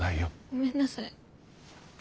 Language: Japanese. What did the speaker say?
ごめんなさい。